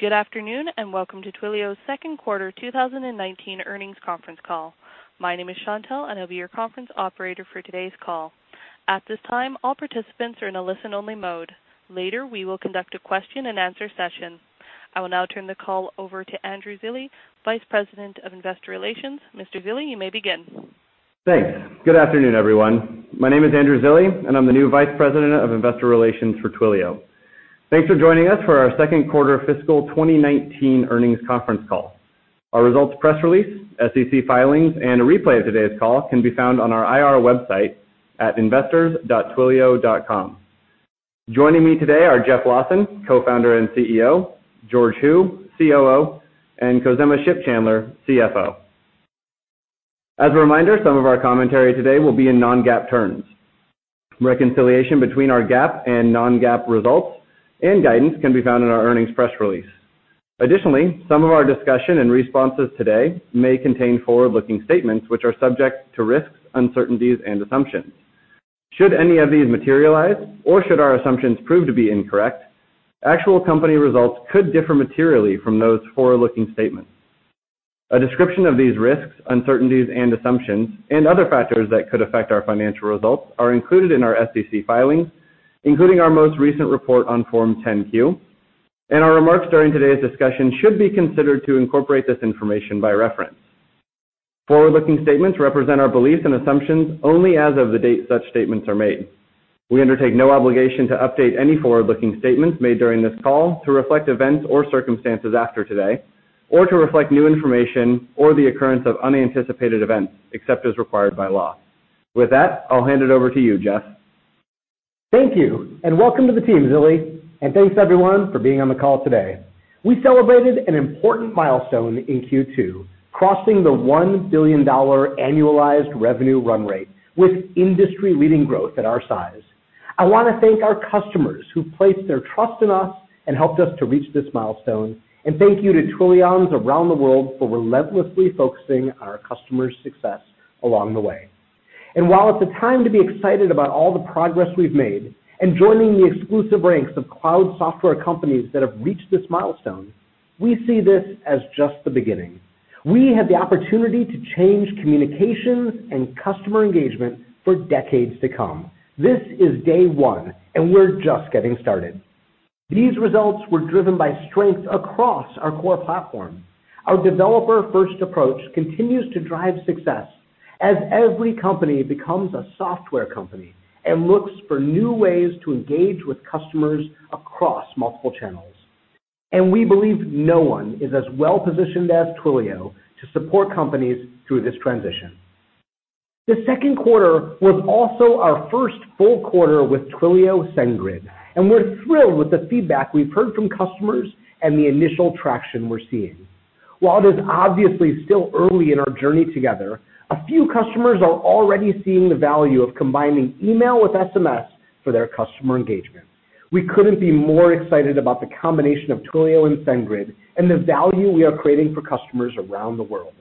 Good afternoon, and welcome to Twilio's second quarter 2019 earnings conference call. My name is Chantelle, and I'll be your conference operator for today's call. At this time, all participants are in a listen-only mode. Later, we will conduct a question and answer session. I will now turn the call over to Andrew Zilli, Vice President, Investor Relations. Mr. Zilli, you may begin. Thanks. Good afternoon, everyone. My name is Andrew Zilli, and I'm the new Vice President of Investor Relations for Twilio. Thanks for joining us for our second quarter fiscal 2019 earnings conference call. Our results press release, SEC filings, a replay of today's call can be found on our IR website at investors.twilio.com. Joining me today are Jeff Lawson, Co-Founder and CEO, George Hu, COO, and Khozema Shipchandler, CFO. As a reminder, some of our commentary today will be in non-GAAP terms. Reconciliation between our GAAP and non-GAAP results and guidance can be found in our earnings press release. Additionally, some of our discussion and responses today may contain forward-looking statements which are subject to risks, uncertainties, and assumptions. Should any of these materialize, or should our assumptions prove to be incorrect, actual company results could differ materially from those forward-looking statements. A description of these risks, uncertainties, and assumptions, and other factors that could affect our financial results are included in our SEC filings, including our most recent report on Form 10-Q, and our remarks during today's discussion should be considered to incorporate this information by reference. Forward-looking statements represent our beliefs and assumptions only as of the date such statements are made. We undertake no obligation to update any forward-looking statements made during this call to reflect events or circumstances after today, or to reflect new information or the occurrence of unanticipated events, except as required by law. I'll hand it over to you, Jeff. Thank you, and welcome to the team, Zilli. Thanks everyone for being on the call today. We celebrated an important milestone in Q2, crossing the $1 billion annualized revenue run rate with industry-leading growth at our size. I want to thank our customers who placed their trust in us and helped us to reach this milestone. Thank you to Twilions around the world for relentlessly focusing on our customers' success along the way. While it's a time to be excited about all the progress we've made and joining the exclusive ranks of cloud software companies that have reached this milestone, we see this as just the beginning. We have the opportunity to change communications and customer engagement for decades to come. This is day one, and we're just getting started. These results were driven by strength across our core platform. Our developer-first approach continues to drive success as every company becomes a software company and looks for new ways to engage with customers across multiple channels. We believe no one is as well-positioned as Twilio to support companies through this transition. The second quarter was also our first full quarter with Twilio SendGrid, and we're thrilled with the feedback we've heard from customers and the initial traction we're seeing. While it is obviously still early in our journey together, a few customers are already seeing the value of combining email with SMS for their customer engagement. We couldn't be more excited about the combination of Twilio and SendGrid and the value we are creating for customers around the world.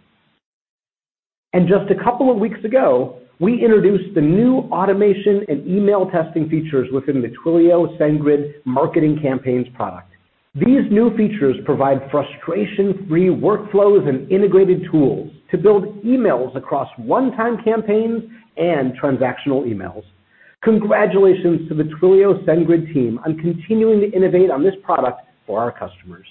Just a couple of weeks ago, we introduced the new automation and email testing features within the Twilio SendGrid marketing campaigns product. These new features provide frustration-free workflows and integrated tools to build emails across one-time campaigns and transactional emails. Congratulations to the Twilio SendGrid team on continuing to innovate on this product for our customers.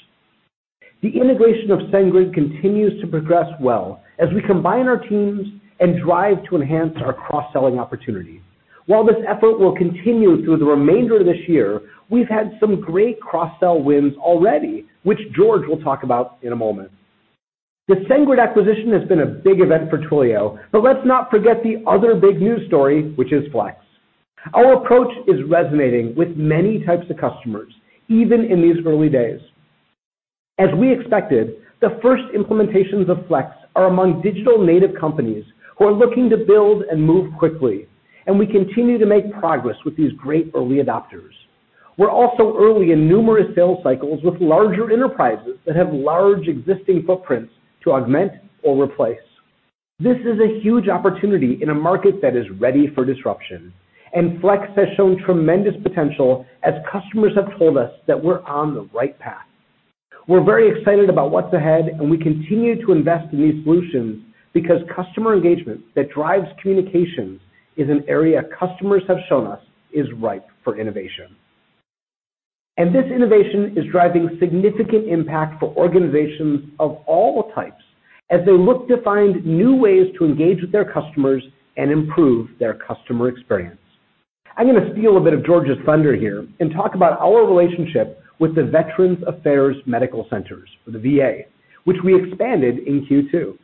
The integration of SendGrid continues to progress well as we combine our teams and drive to enhance our cross-selling opportunity. While this effort will continue through the remainder of this year, we've had some great cross-sell wins already, which George will talk about in a moment. The SendGrid acquisition has been a big event for Twilio. Let's not forget the other big news story, which is Flex. Our approach is resonating with many types of customers, even in these early days. As we expected, the first implementations of Flex are among digital native companies who are looking to build and move quickly. We continue to make progress with these great early adopters. We're also early in numerous sales cycles with larger enterprises that have large existing footprints to augment or replace. This is a huge opportunity in a market that is ready for disruption, and Flex has shown tremendous potential as customers have told us that we're on the right path. We're very excited about what's ahead, and we continue to invest in these solutions because customer engagement that drives communication is an area customers have shown us is ripe for innovation. This innovation is driving significant impact for organizations of all the types as they look to find new ways to engage with their customers and improve their customer experience. I'm going to steal a bit of George's thunder here and talk about our relationship with the Veterans Affairs Medical Centers, or the VA, which we expanded in Q2.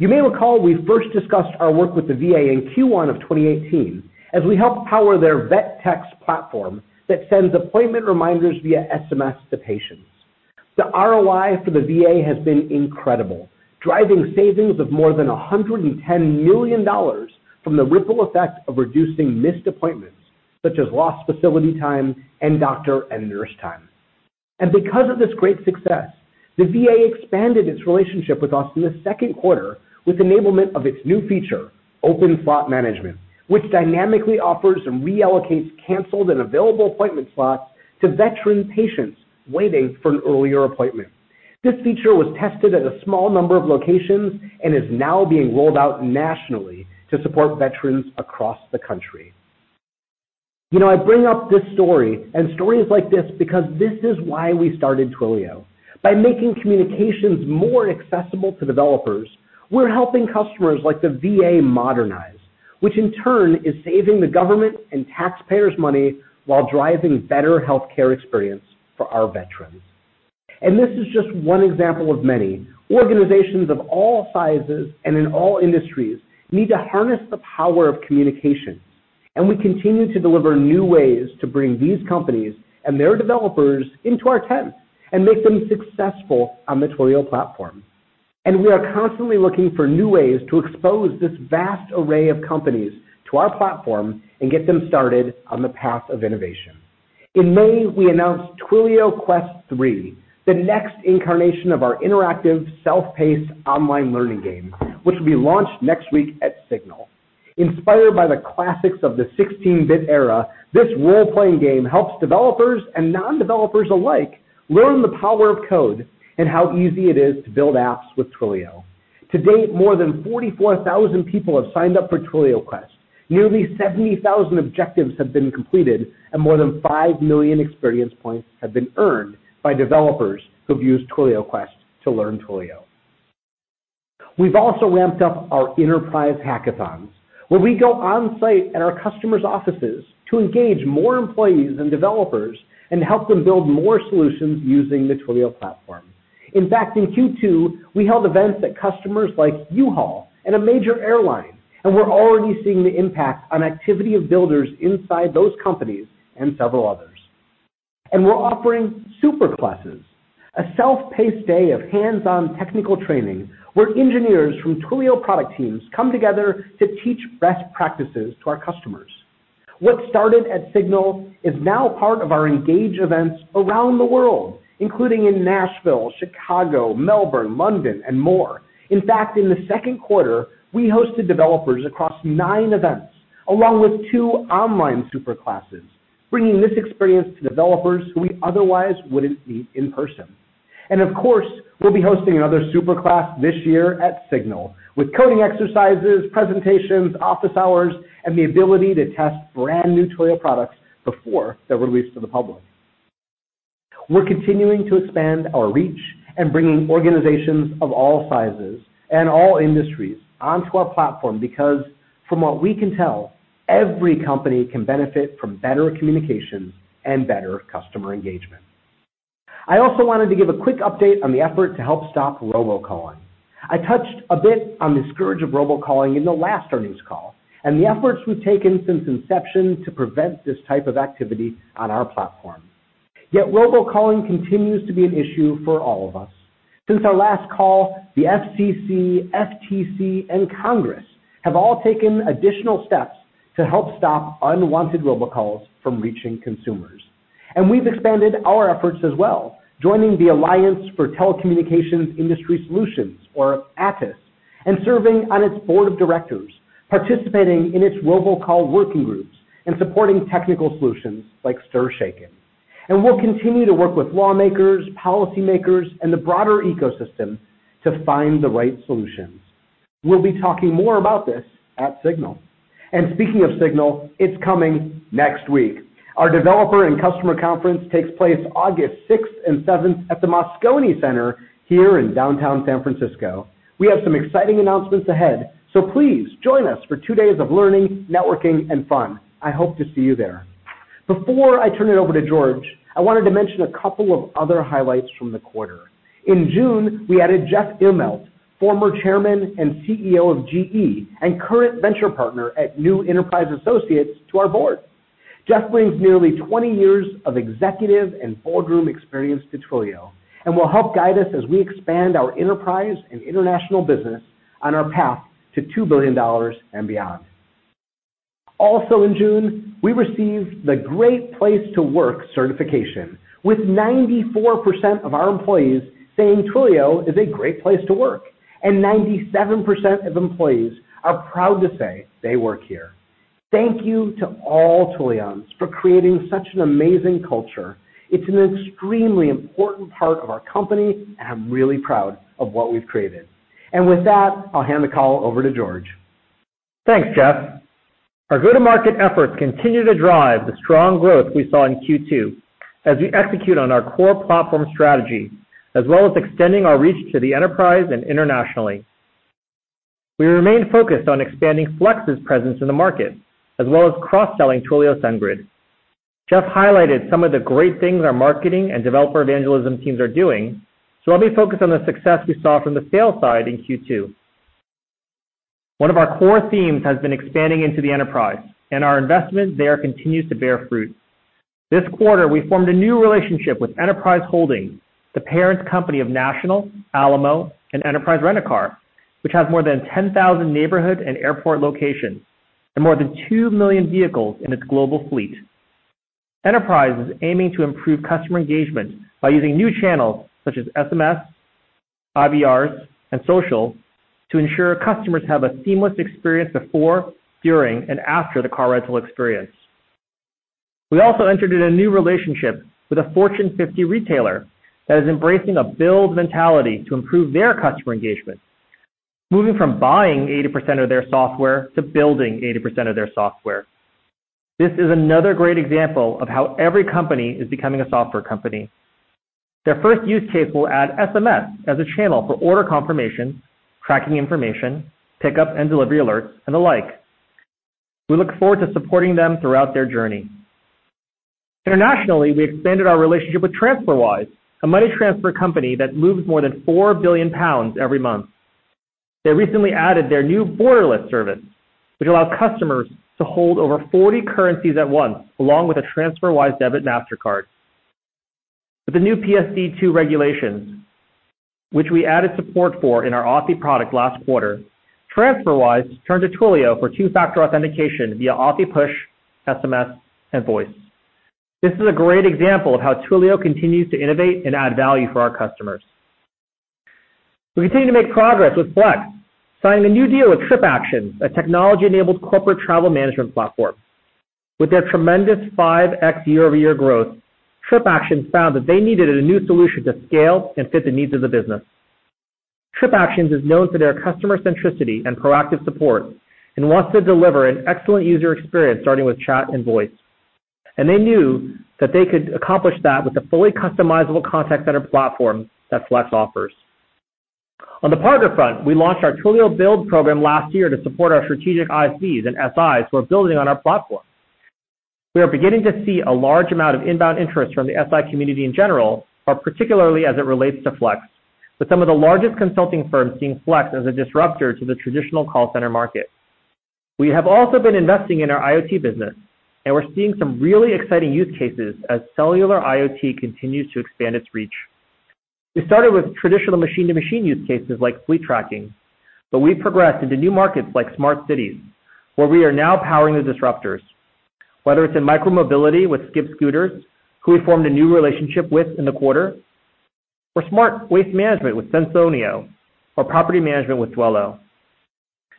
You may recall we first discussed our work with the VA in Q1 of 2018 as we helped power their VEText platform that sends appointment reminders via SMS to patients. The ROI for the VA has been incredible, driving savings of more than $110 million from the ripple effect of reducing missed appointments, such as lost facility time and doctor and nurse time. Because of this great success, the VA expanded its relationship with us in the second quarter with enablement of its new feature, Open Slot Management, which dynamically offers and reallocates canceled and available appointment slots to veteran patients waiting for an earlier appointment. This feature was tested at a small number of locations and is now being rolled out nationally to support veterans across the country. I bring up this story and stories like this because this is why we started Twilio. By making communications more accessible to developers, we're helping customers like the VA modernize, which in turn is saving the government and taxpayers money while driving better healthcare experience for our veterans. This is just one example of many. Organizations of all sizes and in all industries need to harness the power of communication, and we continue to deliver new ways to bring these companies and their developers into our tent and make them successful on the Twilio platform. We are constantly looking for new ways to expose this vast array of companies to our platform and get them started on the path of innovation. In May, we announced TwilioQuest 3, the next incarnation of our interactive self-paced online learning game, which will be launched next week at SIGNAL. Inspired by the classics of the 16-bit era, this role-playing game helps developers and non-developers alike learn the power of code and how easy it is to build apps with Twilio. To date, more than 44,000 people have signed up for TwilioQuest. Nearly 70,000 objectives have been completed, and more than 5 million experience points have been earned by developers who've used TwilioQuest to learn Twilio. We've also ramped up our enterprise hackathons, where we go on-site at our customers' offices to engage more employees and developers and help them build more solutions using the Twilio platform. In fact, in Q2, we held events at customers like U-Haul and a major airline, and we're already seeing the impact on activity of builders inside those companies and several others. We're offering Superclasses, a self-paced day of hands-on technical training where engineers from Twilio product teams come together to teach best practices to our customers. What started at SIGNAL is now part of our Engage events around the world, including in Nashville, Chicago, Melbourne, London, and more. In fact, in the second quarter, we hosted developers across nine events, along with two online Superclasses, bringing this experience to developers who we otherwise wouldn't meet in person. Of course, we'll be hosting another Superclass this year at SIGNAL with coding exercises, presentations, office hours, and the ability to test brand new Twilio products before they're released to the public. We're continuing to expand our reach and bringing organizations of all sizes and all industries onto our platform because from what we can tell, every company can benefit from better communications and better customer engagement. I also wanted to give a quick update on the effort to help stop robocalling. I touched a bit on the scourge of robocalling in the last earnings call and the efforts we've taken since inception to prevent this type of activity on our platform. Yet robocalling continues to be an issue for all of us. Since our last call, the FCC, FTC, and Congress have all taken additional steps to help stop unwanted robocalls from reaching consumers. We've expanded our efforts as well, joining the Alliance for Telecommunications Industry Solutions, or ATIS, and serving on its Board of Directors, participating in its robocall working groups, and supporting technical solutions like STIR/SHAKEN. We'll continue to work with lawmakers, policymakers, and the broader ecosystem to find the right solutions. We'll be talking more about this at SIGNAL. Speaking of SIGNAL, it's coming next week. Our developer and customer conference takes place August 6 and 7 at the Moscone Center here in downtown San Francisco. We have some exciting announcements ahead, please join us for two days of learning, networking, and fun. I hope to see you there. Before I turn it over to George, I wanted to mention a couple of other highlights from the quarter. In June, we added Jeff Immelt, former Chairman and CEO of GE and current Venture Partner at New Enterprise Associates, to our Board. Jeff brings nearly 20 years of executive and boardroom experience to Twilio and will help guide us as we expand our enterprise and international business on our path to $2 billion and beyond. Also in June, we received the Great Place to Work certification with 94% of our employees saying Twilio is a great place to work, and 97% of employees are proud to say they work here. Thank you to all Twilions for creating such an amazing culture. It's an extremely important part of our company, and I'm really proud of what we've created. With that, I'll hand the call over to George. Thanks, Jeff. Our go-to-market efforts continue to drive the strong growth we saw in Q2 as we execute on our core platform strategy, as well as extending our reach to the enterprise and internationally. We remain focused on expanding Flex's presence in the market, as well as cross-selling Twilio SendGrid. Jeff highlighted some of the great things our marketing and developer evangelism teams are doing, so let me focus on the success we saw from the sales side in Q2. One of our core themes has been expanding into the enterprise, and our investment there continues to bear fruit. This quarter, we formed a new relationship with Enterprise Holdings, the parent company of National, Alamo, and Enterprise Rent-A-Car, which has more than 10,000 neighborhood and airport locations and more than 2 million vehicles in its global fleet. Enterprise is aiming to improve customer engagement by using new channels such as SMS, IVRs, and social, to ensure customers have a seamless experience before, during, and after the car rental experience. We also entered in a new relationship with a Fortune 50 retailer that is embracing a build mentality to improve their customer engagement, moving from buying 80% of their software to building 80% of their software. This is another great example of how every company is becoming a software company. Their first use case will add SMS as a channel for order confirmation, tracking information, pickup and delivery alerts, and the like. We look forward to supporting them throughout their journey. Internationally, we expanded our relationship with TransferWise, a money transfer company that moves more than 4 billion pounds every month. They recently added their new borderless service, which allows customers to hold over 40 currencies at once, along with a TransferWise debit Mastercard. With the new PSD2 regulations, which we added support for in our Authy product last quarter, TransferWise turned to Twilio for two-factor authentication via Authy Push, SMS, and voice. This is a great example of how Twilio continues to innovate and add value for our customers. We continue to make progress with Flex, signing a new deal with TripActions, a technology-enabled corporate travel management platform. With their tremendous 5x year-over-year growth, TripActions found that they needed a new solution to scale and fit the needs of the business. TripActions is known for their customer centricity and proactive support and wants to deliver an excellent user experience starting with chat and voice. They knew that they could accomplish that with the fully customizable contact center platform that Flex offers. On the partner front, we launched our Twilio Build program last year to support our strategic ISVs and SIs who are building on our platform. We are beginning to see a large amount of inbound interest from the SI community in general, but particularly as it relates to Flex, with some of the largest consulting firms seeing Flex as a disruptor to the traditional call center market. We have also been investing in our IoT business, and we're seeing some really exciting use cases as cellular IoT continues to expand its reach. We started with traditional machine-to-machine use cases like fleet tracking, but we progressed into new markets like smart cities, where we are now powering the disruptors, whether it's in micro-mobility with Skip scooters, who we formed a new relationship with in the quarter, or smart waste management with Sensoneo, or property management with Dwelo.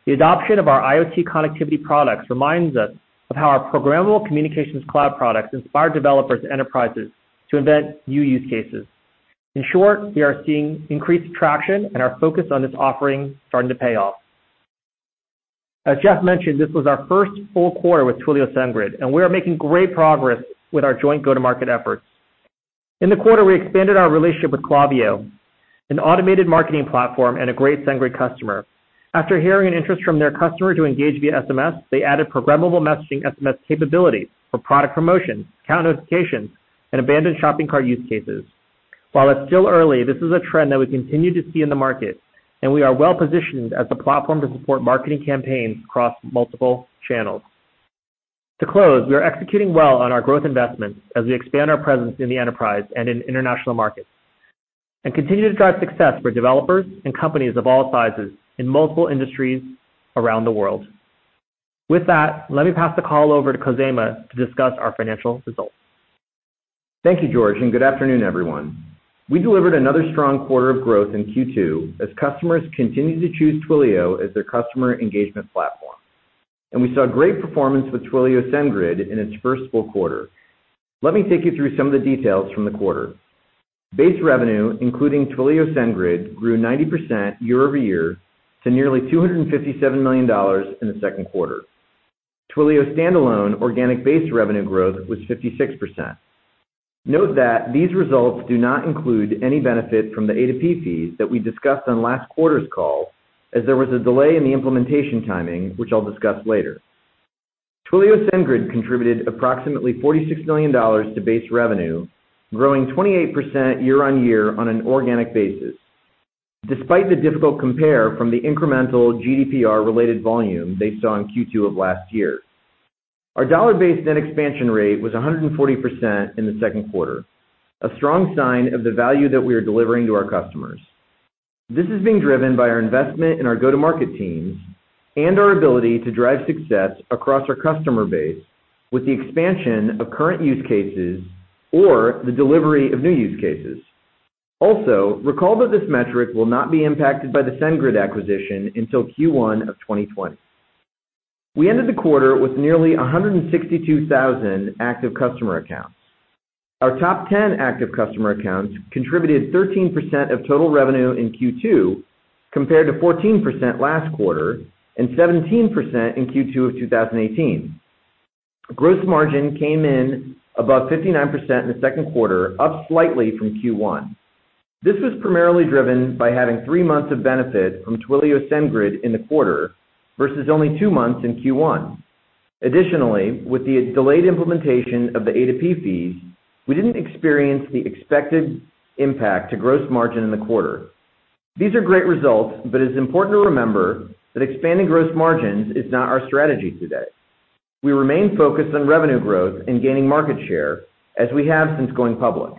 The adoption of our IoT connectivity products reminds us of how our programmable communications cloud products inspire developers and enterprises to invent new use cases. In short, we are seeing increased traction and our focus on this offering starting to pay off. As Jeff mentioned, this was our first full quarter with Twilio SendGrid, and we are making great progress with our joint go-to-market efforts. In the quarter, we expanded our relationship with Klaviyo, an automated marketing platform and a great SendGrid customer. After hearing an interest from their customer to engage via SMS, they added programmable messaging SMS capabilities for product promotion, account notifications, and abandoned shopping cart use cases. While it's still early, this is a trend that we continue to see in the market, and we are well-positioned as the platform to support marketing campaigns across multiple channels. To close, we are executing well on our growth investments as we expand our presence in the enterprise and in international markets and continue to drive success for developers and companies of all sizes in multiple industries around the world. With that, let me pass the call over to Khozema to discuss our financial results. Thank you, George. Good afternoon, everyone. We delivered another strong quarter of growth in Q2 as customers continued to choose Twilio as their customer engagement platform, and we saw great performance with Twilio SendGrid in its first full quarter. Let me take you through some of the details from the quarter. Base revenue, including Twilio SendGrid, grew 90% year-over-year to nearly $257 million in the second quarter. Twilio standalone organic base revenue growth was 56%. Note that these results do not include any benefit from the A2P fees that we discussed on last quarter's call, as there was a delay in the implementation timing, which I'll discuss later. Twilio SendGrid contributed approximately $46 million to base revenue, growing 28% year-on-year on an organic basis, despite the difficult compare from the incremental GDPR-related volume they saw in Q2 of last year. Our dollar-based net expansion rate was 140% in the second quarter, a strong sign of the value that we are delivering to our customers. This is being driven by our investment in our go-to-market teams and our ability to drive success across our customer base with the expansion of current use cases or the delivery of new use cases. Also, recall that this metric will not be impacted by the SendGrid acquisition until Q1 of 2020. We ended the quarter with nearly 162,000 active customer accounts. Our top 10 active customer accounts contributed 13% of total revenue in Q2, compared to 14% last quarter and 17% in Q2 of 2018. Gross margin came in above 59% in the second quarter, up slightly from Q1. This was primarily driven by having three months of benefit from Twilio SendGrid in the quarter, versus only two months in Q1. Additionally, with the delayed implementation of the A2P fees, we didn't experience the expected impact to gross margin in the quarter. These are great results, it's important to remember that expanding gross margins is not our strategy today. We remain focused on revenue growth and gaining market share, as we have since going public.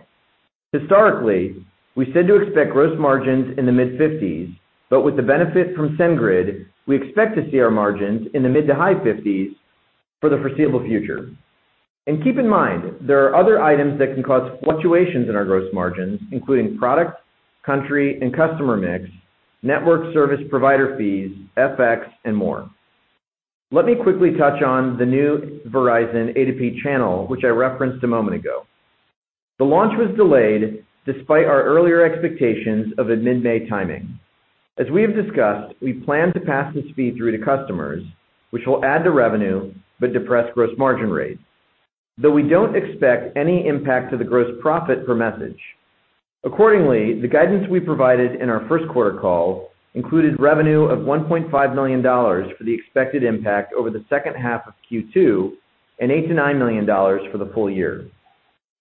Historically, we said to expect gross margins in the mid-50s, with the benefit from SendGrid, we expect to see our margins in the mid to high 50s for the foreseeable future. Keep in mind, there are other items that can cause fluctuations in our gross margins, including product, country, and customer mix, network service provider fees, FX, and more. Let me quickly touch on the new Verizon A2P channel, which I referenced a moment ago. The launch was delayed despite our earlier expectations of a mid-May timing. As we have discussed, we plan to pass this fee through to customers, which will add to revenue but depress gross margin rate. We don't expect any impact to the gross profit per message. Accordingly, the guidance we provided in our first quarter call included revenue of $1.5 million for the expected impact over the second half of Q2 and $8 million-$9 million for the full year.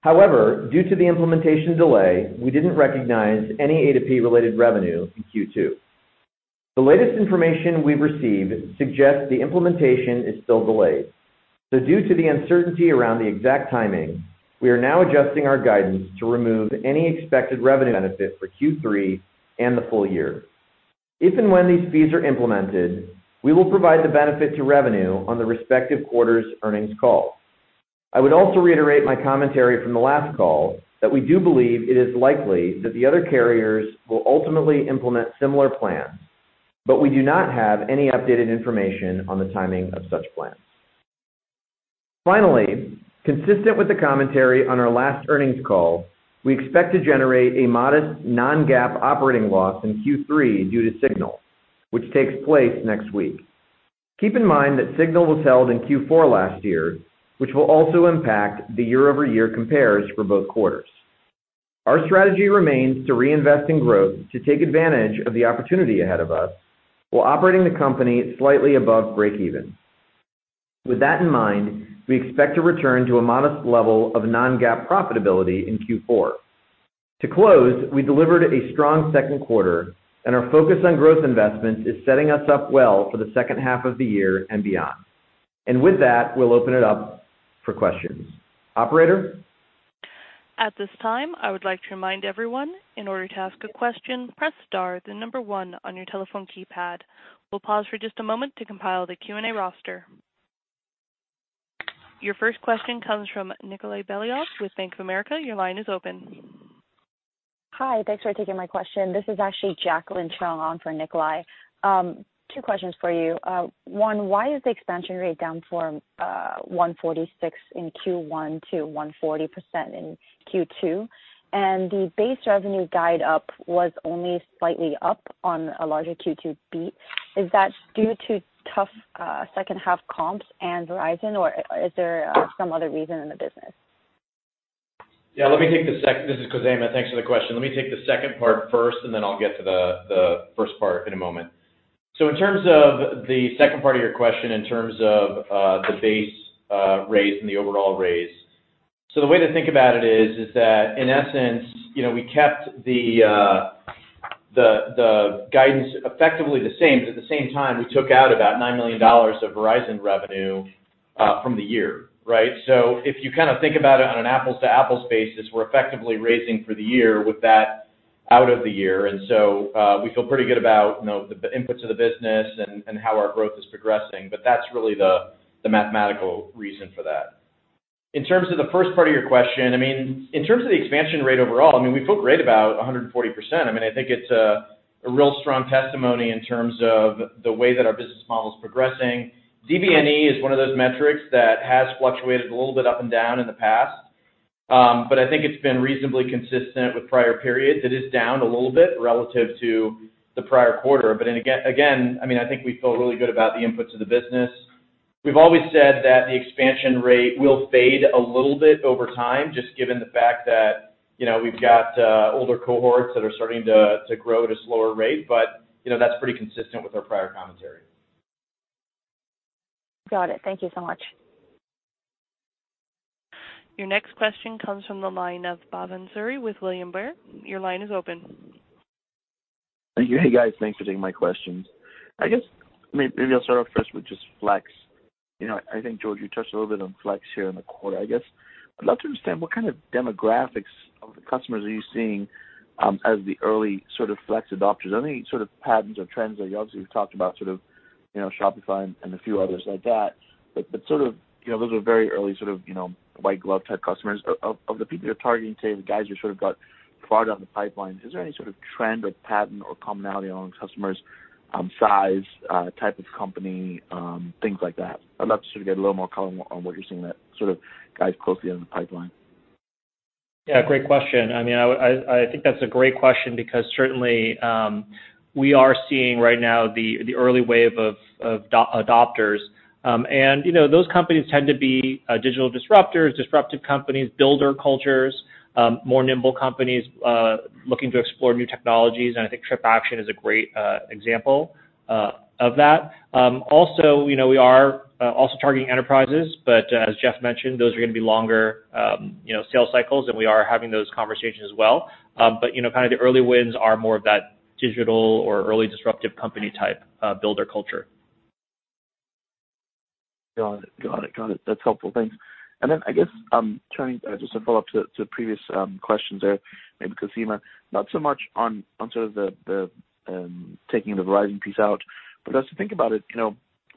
However, due to the implementation delay, we didn't recognize any A2P-related revenue in Q2. The latest information we've received suggests the implementation is still delayed. Due to the uncertainty around the exact timing, we are now adjusting our guidance to remove any expected revenue benefit for Q3 and the full year. If and when these fees are implemented, we will provide the benefit to revenue on the respective quarter's earnings call. I would also reiterate my commentary from the last call that we do believe it is likely that the other carriers will ultimately implement similar plans, but we do not have any updated information on the timing of such plans. Finally, consistent with the commentary on our last earnings call, we expect to generate a modest non-GAAP operating loss in Q3 due to SIGNAL, which takes place next week. Keep in mind that SIGNAL was held in Q4 last year, which will also impact the year-over-year compares for both quarters. Our strategy remains to reinvest in growth to take advantage of the opportunity ahead of us while operating the company slightly above breakeven. With that in mind, we expect to return to a modest level of non-GAAP profitability in Q4. To close, we delivered a strong second quarter, and our focus on growth investments is setting us up well for the second half of the year and beyond. With that, we'll open it up for questions. Operator? At this time, I would like to remind everyone, in order to ask a question, press star, then number one on your telephone keypad. We'll pause for just a moment to compile the Q&A roster. Your first question comes from Nikolay Beliov with Bank of America. Your line is open. Hi, thanks for taking my question. This is actually Jacqueline Chung on for Nikolay. Two questions for you. One, why is the expansion rate down from 146% in Q1 to 140% in Q2? The base revenue guide up was only slightly up on a larger Q2 beat. Is that due to tough second half comps and Verizon, or is there some other reason in the business? Yeah, this is Khozema. Thanks for the question. Let me take the second part first, and then I'll get to the first part in a moment. In terms of the second part of your question in terms of the base raise and the overall raise. The way to think about it is that in essence, we kept the guidance effectively the same, but at the same time, we took out about $9 million of Verizon revenue from the year, right? If you think about it on an apples-to-apples basis, we're effectively raising for the year with that out of the year. We feel pretty good about the inputs of the business and how our growth is progressing. That's really the mathematical reason for that. In terms of the first part of your question, in terms of the expansion rate overall, we feel great about 140%. I think it's a real strong testimony in terms of the way that our business model is progressing. DBNE is one of those metrics that has fluctuated a little bit up and down in the past. I think it's been reasonably consistent with prior periods. It is down a little bit relative to the prior quarter. Again, I think we feel really good about the inputs of the business. We've always said that the expansion rate will fade a little bit over time, just given the fact that we've got older cohorts that are starting to grow at a slower rate, but that's pretty consistent with our prior commentary. Got it. Thank you so much. Your next question comes from the line of Bhavan Suri with William Blair. Your line is open. Thank you. Hey, guys. Thanks for taking my questions. I guess maybe I'll start off first with just Flex. I think, George, you touched a little bit on Flex here in the quarter. I guess I'd love to understand what kind of demographics of the customers are you seeing as the early Flex adopters? Any patterns or trends? Obviously, you've talked about Shopify and a few others like that. Those are very early white glove type customers. Of the people you're targeting today, the guys you got farther down the pipeline, is there any trend or pattern or commonality on customers' size, type of company, things like that? I'd love to get a little more color on what you're seeing that guides closely on the pipeline. Yeah, great question. I think that's a great question because certainly, we are seeing right now the early wave of adopters. Those companies tend to be digital disruptors, disruptive companies, builder cultures, more nimble companies looking to explore new technologies, and I think TripActions is a great example of that. We are also targeting enterprises, but as Jeff mentioned, those are going to be longer sales cycles, and we are having those conversations as well. The early wins are more of that digital or early disruptive company type builder culture. Got it. That's helpful. Thanks. Then I guess, trying just to follow up to previous questions there, maybe Khozema, not so much on sort of the taking the Verizon piece out, but as we think about it,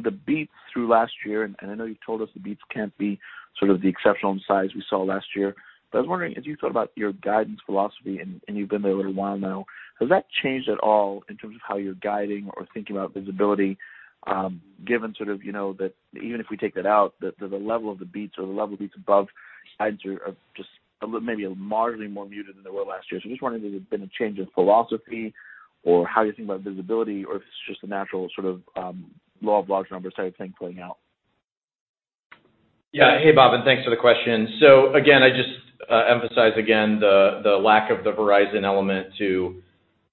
the beats through last year, and I know you've told us the beats can't be sort of the exceptional in size we saw last year, but I was wondering, as you thought about your guidance philosophy, and you've been there a little while now, has that changed at all in terms of how you're guiding or thinking about visibility, given sort of that even if we take that out, the level of the beats or the level of beats above guides are just maybe marginally more muted than they were last year. I'm just wondering if there's been a change in philosophy or how you think about visibility or if it's just a natural sort of law of large numbers type of thing playing out. Yeah. Hey, Bhavan, thanks for the question. Again, I just emphasize again the lack of the Verizon element to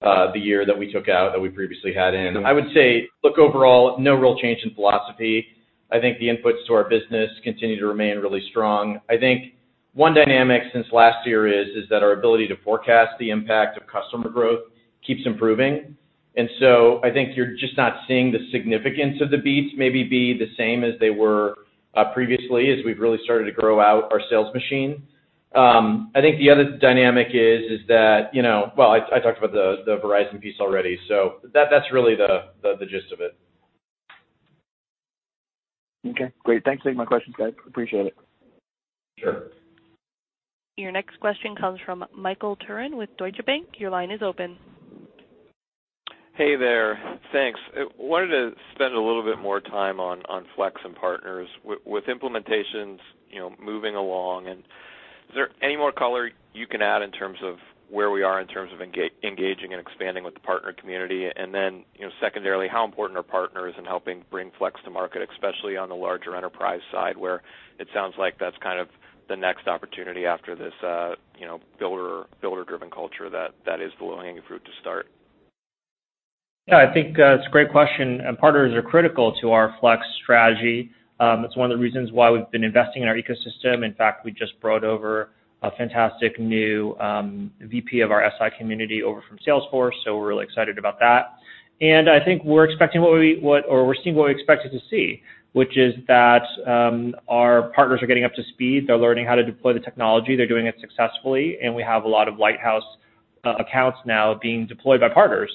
the year that we took out that we previously had in. I would say, look, overall, no real change in philosophy. I think the inputs to our business continue to remain really strong. I think one dynamic since last year is that our ability to forecast the impact of customer growth keeps improving. I think you're just not seeing the significance of the beats maybe be the same as they were previously as we've really started to grow out our sales machine. I think the other dynamic is that, you know, well, I talked about the Verizon piece already, that's really the gist of it. Okay, great. Thanks for taking my questions, guys. Appreciate it. Sure. Your next question comes from Michael Turrin with Deutsche Bank. Your line is open. Hey there. Thanks. I wanted to spend a little bit more time on Flex and partners. With implementations moving along, is there any more color you can add in terms of where we are in terms of engaging and expanding with the partner community? Then, secondarily, how important are partners in helping bring Flex to market, especially on the larger enterprise side, where it sounds like that's kind of the next opportunity after this builder-driven culture that is the low-hanging fruit to start? Yeah, I think that's a great question. Partners are critical to our Flex strategy. It's one of the reasons why we've been investing in our ecosystem. In fact, we just brought over a fantastic new VP of our SI community over from Salesforce, so we're really excited about that. I think we're seeing what we expected to see, which is that our partners are getting up to speed. They're learning how to deploy the technology. They're doing it successfully. We have a lot of lighthouse accounts now being deployed by partners,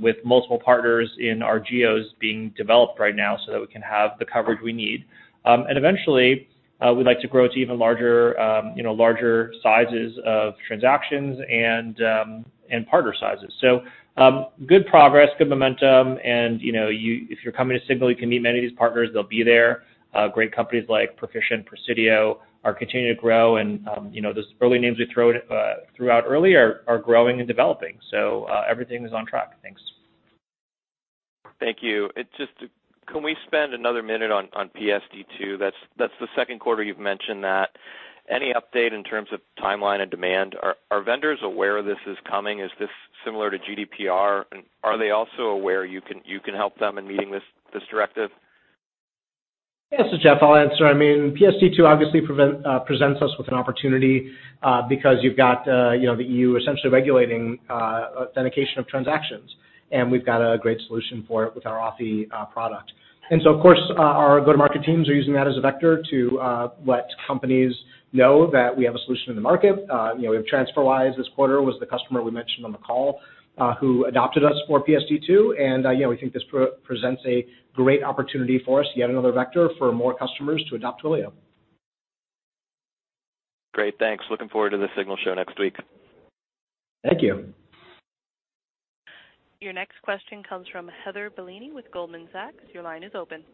with multiple partners in our geos being developed right now so that we can have the coverage we need. Eventually, we'd like to grow to even larger sizes of transactions and partner sizes. Good progress, good momentum, and if you're coming to SIGNAL, you can meet many of these partners. They'll be there. Great companies like Perficient, Presidio are continuing to grow. Those early names we threw out earlier are growing and developing. Everything is on track. Thanks. Thank you. Can we spend another minute on PSD2? That's the second quarter you've mentioned that. Any update in terms of timeline and demand? Are vendors aware this is coming? Is this similar to GDPR, and are they also aware you can help them in meeting this directive? Yeah, this is Jeff. I'll answer. I mean, PSD2 obviously presents us with an opportunity because you've got the EU essentially regulating authentication of transactions, and we've got a great solution for it with our Authy product. Of course, our go-to-market teams are using that as a vector to let companies know that we have a solution in the market. We have TransferWise this quarter, was the customer we mentioned on the call, who adopted us for PSD2, and we think this presents a great opportunity for us, yet another vector for more customers to adopt Twilio. Great. Thanks. Looking forward to the SIGNAL show next week. Thank you. Your next question comes from Heather Bellini with Goldman Sachs. Your line is open.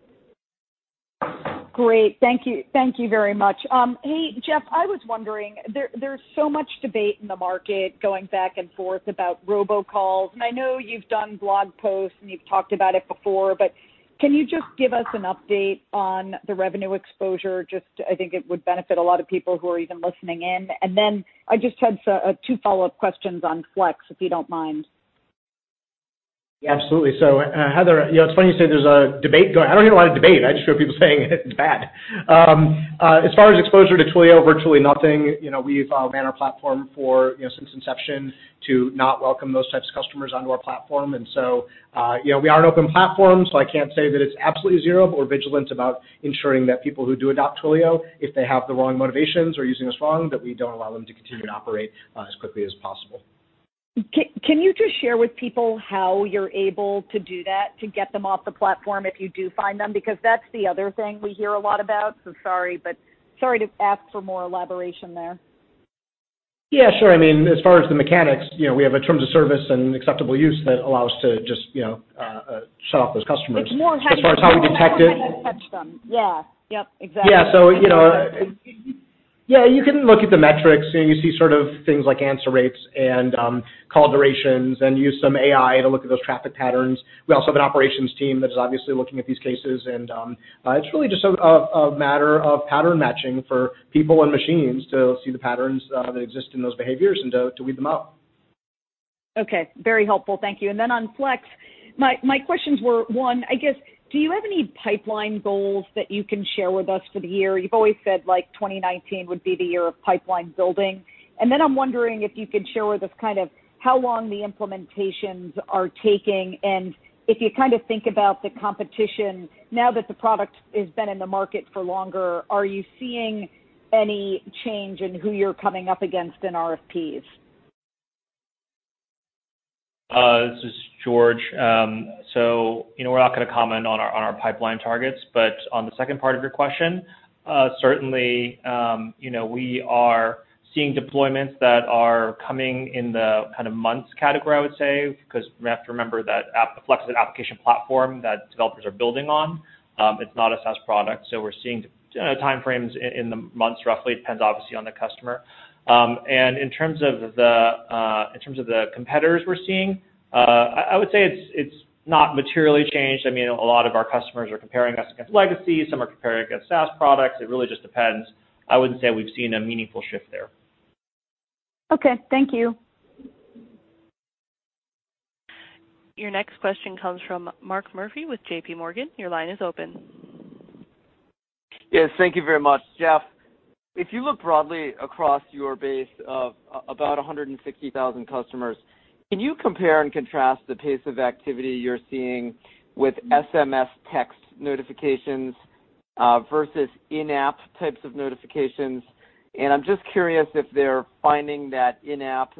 Great. Thank you very much. Hey, Jeff, I was wondering, there's so much debate in the market going back and forth about robocalls, and I know you've done blog posts and you've talked about it before, but can you just give us an update on the revenue exposure? Just I think it would benefit a lot of people who are even listening in. Then I just had two follow-up questions on Flex, if you don't mind. Absolutely. Heather, it's funny you say there's a debate going. I don't hear a lot of debate. I just hear people saying it's bad. As far as exposure to Twilio, virtually nothing. We've ran our platform since inception to not welcome those types of customers onto our platform. We are an open platform, so I can't say that it's absolutely zero, but we're vigilant about ensuring that people who do adopt Twilio, if they have the wrong motivations or using us wrong, that we don't allow them to continue to operate as quickly as possible. Can you just share with people how you're able to do that, to get them off the platform if you do find them? That's the other thing we hear a lot about, so sorry, but sorry to ask for more elaboration there. Yeah, sure. I mean, as far as the mechanics, we have a terms of service and acceptable use that allow us to just shut off those customers. How do you actually catch them? Yeah. Exactly. Yeah, you can look at the metrics, and you see sort of things like answer rates and call durations and use some AI to look at those traffic patterns. We also have an operations team that is obviously looking at these cases, and it's really just a matter of pattern matching for people and machines to see the patterns that exist in those behaviors and to weed them out. Very helpful. Thank you. On Flex, my questions were, one, I guess, do you have any pipeline goals that you can share with us for the year? You've always said 2019 would be the year of pipeline building. I'm wondering if you could share with us how long the implementations are taking, and if you think about the competition now that the product has been in the market for longer, are you seeing any change in who you're coming up against in RFPs? This is George. We're not going to comment on our pipeline targets. On the second part of your question, certainly, we are seeing deployments that are coming in the months category, I would say, because we have to remember that Flex is an application platform that developers are building on. It's not a SaaS product. We're seeing timeframes in the months, roughly. It depends, obviously, on the customer. In terms of the competitors we're seeing, I would say it's not materially changed. A lot of our customers are comparing us against legacy. Some are comparing against SaaS products. It really just depends. I wouldn't say we've seen a meaningful shift there. Okay, thank you. Your next question comes from Mark Murphy with JPMorgan. Your line is open. Yes, thank you very much. Jeff, if you look broadly across your base of about 160,000 customers, can you compare and contrast the pace of activity you're seeing with SMS text notifications versus in-app types of notifications? I'm just curious if they're finding that in-app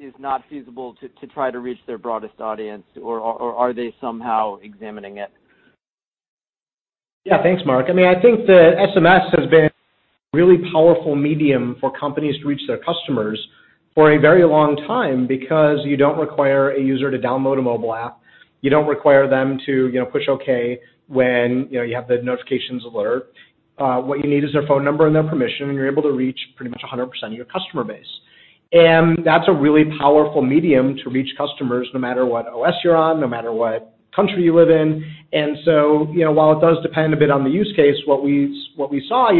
is not feasible to try to reach their broadest audience, or are they somehow examining it? Yeah, thanks, Mark. I think that SMS has been a really powerful medium for companies to reach their customers for a very long time because you don't require a user to download a mobile app. You don't require them to push okay when you have the notifications alert. What you need is their phone number and their permission, and you're able to reach pretty much 100% of your customer base. That's a really powerful medium to reach customers no matter what OS you're on, no matter what country you live in. While it does depend a bit on the use case, what we saw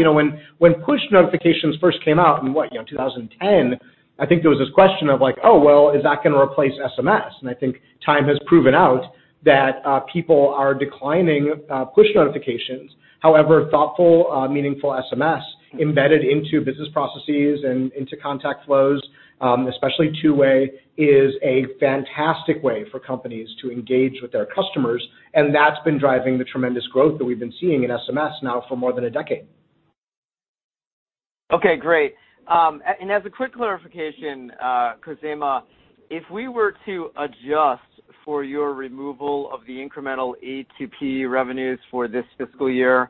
when push notifications first came out in, what, 2010, I think there was this question of, "Oh, well, is that going to replace SMS?" I think time has proven out that people are declining push notifications. Thoughtful, meaningful SMS embedded into business processes and into contact flows, especially two-way, is a fantastic way for companies to engage with their customers, and that's been driving the tremendous growth that we've been seeing in SMS now for more than a decade. Okay, great. As a quick clarification, Khozema, if we were to adjust for your removal of the incremental A2P revenues for this fiscal year,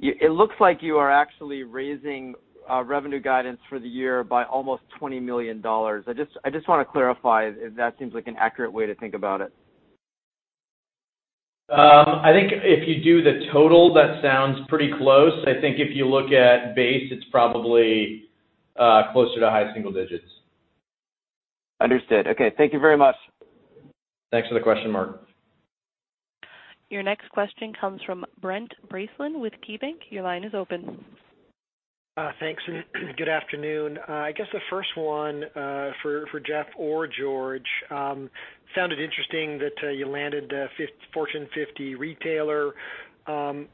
it looks like you are actually raising revenue guidance for the year by almost $20 million. I just want to clarify if that seems like an accurate way to think about it. I think if you do the total, that sounds pretty close. I think if you look at base, it's probably closer to high single digits. Understood. Okay. Thank you very much. Thanks for the question, Mark. Your next question comes from Brent Bracelin with KeyBanc. Your line is open. Thanks. Good afternoon. I guess the first one, for Jeff or George. Sounded interesting that you landed a Fortune 50 retailer.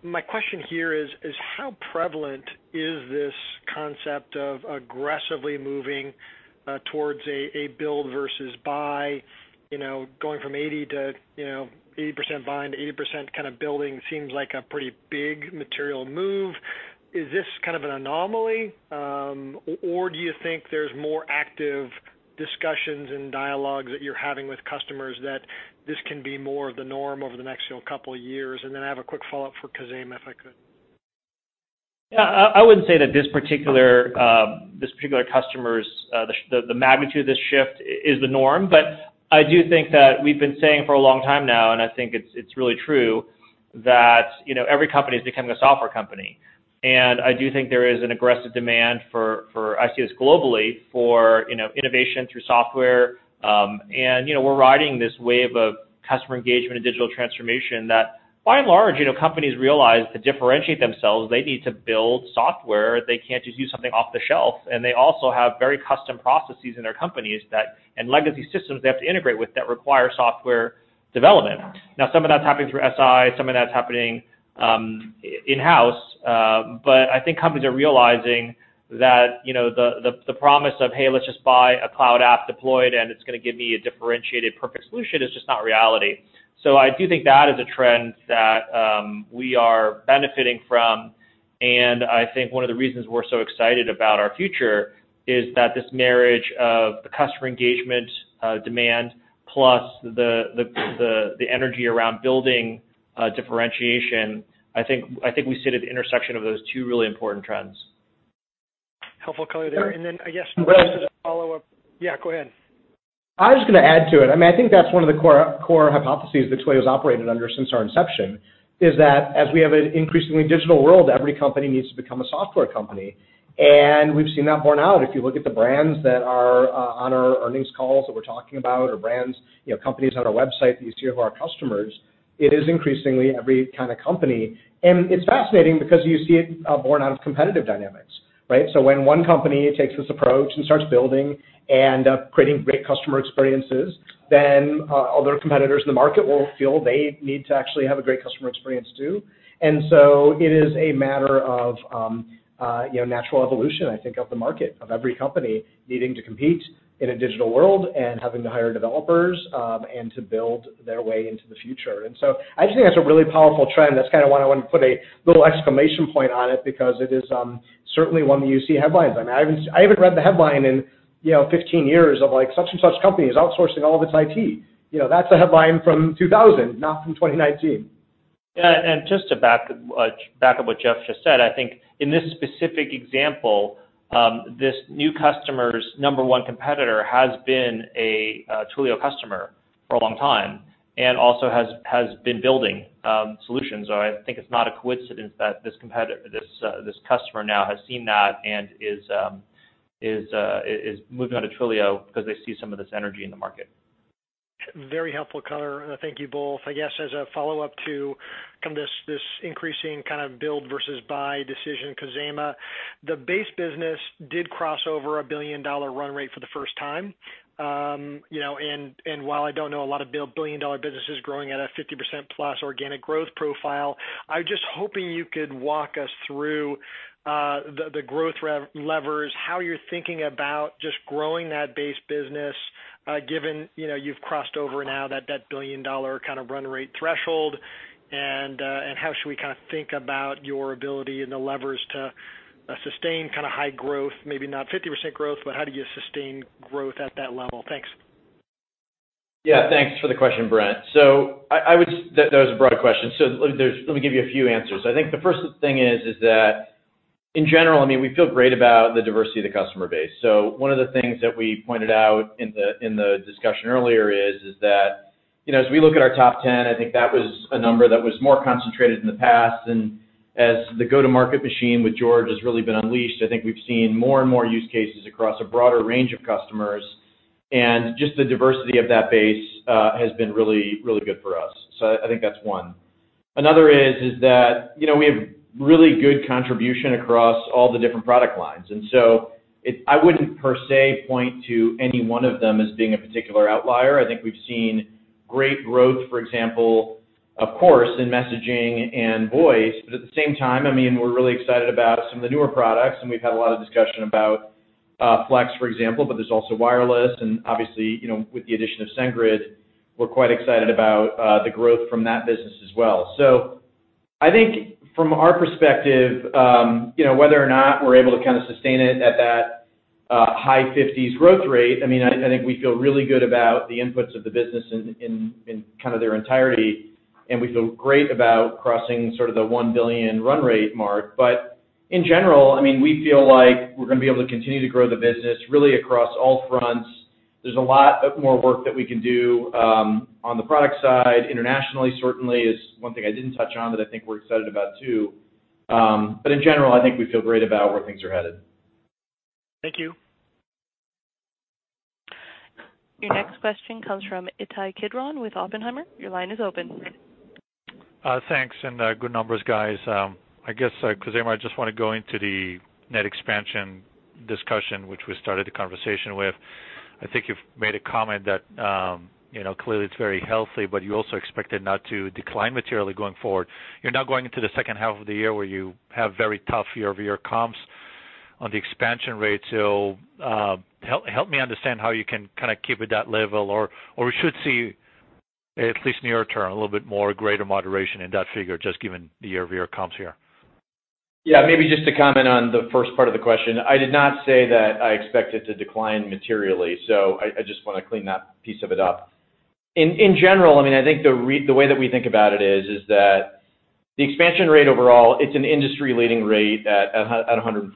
My question here is how prevalent is this concept of aggressively moving towards a build versus buy? Going from 80% buy to 80% kind of building seems like a pretty big material move. Is this kind of an anomaly? Do you think there's more active discussions and dialogues that you're having with customers that this can be more of the norm over the next couple of years? I have a quick follow-up for Khozema, if I could. I wouldn't say that the magnitude of this shift is the norm. I do think that we've been saying for a long time now, and I think it's really true, that every company is becoming a software company. I do think there is an aggressive demand for, I see this globally, for innovation through software. We're riding this wave of customer engagement and digital transformation that, by and large, companies realize to differentiate themselves, they need to build software. They can't just use something off the shelf, and they also have very custom processes in their companies that, and legacy systems they have to integrate with that require software development. Now, some of that's happening through SI, some of that's happening in-house. I think companies are realizing that the promise of, "Hey, let's just buy a cloud app deployed, and it's going to give me a differentiated perfect solution," is just not reality. I do think that is a trend that we are benefiting from, and I think one of the reasons we're so excited about our future is that this marriage of the customer engagement demand plus the energy around building differentiation, I think we sit at the intersection of those two really important trends. Helpful color there. I guess just as a follow-up. Yeah, go ahead. I was going to add to it. I think that's one of the core hypotheses that Twilio's operated under since our inception, is that as we have an increasingly digital world, every company needs to become a software company. We've seen that borne out. If you look at the brands that are on our earnings calls that we're talking about, or brands, companies on our website that you see who are our customers, it is increasingly every kind of company. It's fascinating because you see it borne out of competitive dynamics. When one company takes this approach and starts building and creating great customer experiences, then other competitors in the market will feel they need to actually have a great customer experience, too. It is a matter of natural evolution, I think, of the market, of every company needing to compete in a digital world and having to hire developers, and to build their way into the future. I just think that's a really powerful trend. That's why I want to put a little exclamation point on it, because it is certainly one that you see headlines. I haven't read the headline in 15 years of like, "Such and such company is outsourcing all of its IT." That's a headline from 2000, not from 2019. Yeah. Just to back up what Jeff just said, I think in this specific example, this new customer's number one competitor has been a Twilio customer for a long time and also has been building solutions. I think it's not a coincidence that this customer now has seen that and is moving on to Twilio because they see some of this energy in the market. Very helpful color. Thank you both. I guess as a follow-up to this increasing build versus buy decision, Khozema, the base business did cross over a billion-dollar run rate for the first time. While I don't know a lot of billion-dollar businesses growing at a 50%+ organic growth profile, I was just hoping you could walk us through the growth levers, how you're thinking about just growing that base business, given you've crossed over now that billion-dollar run rate threshold. How should we think about your ability and the levers to sustain high growth, maybe not 50% growth, but how do you sustain growth at that level? Thanks. Yeah. Thanks for the question, Brent. That was a broad question. Let me give you a few answers. I think the first thing is that, in general, we feel great about the diversity of the customer base. One of the things that we pointed out in the discussion earlier is that as we look at our top 10, I think that was a number that was more concentrated in the past. As the go-to-market machine with George has really been unleashed, I think we've seen more and more use cases across a broader range of customers. Just the diversity of that base has been really good for us. I think that's one. Another is that we have really good contribution across all the different product lines. I wouldn't per se point to any one of them as being a particular outlier. I think we've seen great growth, for example, of course, in messaging and voice. At the same time, we're really excited about some of the newer products, and we've had a lot of discussion about Flex, for example, but there's also wireless. Obviously, with the addition of SendGrid, we're quite excited about the growth from that business as well. I think from our perspective, whether or not we're able to sustain it at that high 50s growth rate, I think we feel really good about the inputs of the business in their entirety, and we feel great about crossing sort of the $1 billion run rate mark. In general, we feel like we're going to be able to continue to grow the business really across all fronts. There's a lot more work that we can do on the product side. Internationally, certainly, is one thing I didn't touch on that I think we're excited about, too. In general, I think we feel great about where things are headed. Thank you. Your next question comes from Ittai Kidron with Oppenheimer. Your line is open. Thanks, good numbers, guys. I guess, Khozema, I just want to go into the net expansion discussion, which we started the conversation with. I think you've made a comment that clearly it's very healthy, you also expect it not to decline materially going forward. You're now going into the second half of the year where you have very tough year-over-year comps on the expansion rate. Help me understand how you can kind of keep it that level, or we should see at least near term, a little bit more greater moderation in that figure, just given the year-over-year comps here. Maybe just to comment on the first part of the question. I did not say that I expect it to decline materially. I just want to clean that piece of it up. In general, I think the way that we think about it is that the expansion rate overall, it's an industry-leading rate at 140%.